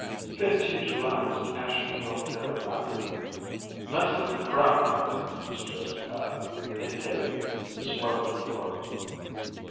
"Spent two Julys in Asheville, North Carolina." "Nice looking crowd aren't they?" suggested Patton, indicating the swirling floor.